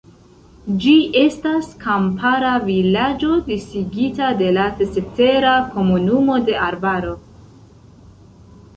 Ĝi estas kampara vilaĝo disigita de la cetera komunumo de arbaro.